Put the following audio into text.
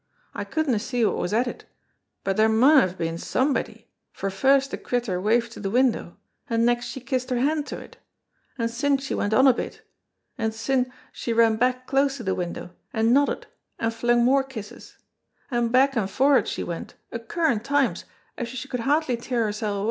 I couldna see wha was at it, but there maun have been somebody, for first the crittur waved to the window and next she kissed her hand to it, and syne she went on a bit, and syne she ran back close to the window and nodded and flung more kisses, and back and forrit she went a curran times as if she could hardly tear hersel' awa'.